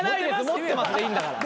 持ってますでいいんだから。